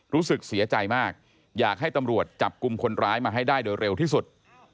รู้สึกเสียใจมากอยากให้ตำรวจจับกลุ่มคนร้ายมาให้ได้โดยเร็วที่สุด